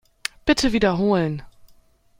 Bitte wiederholen.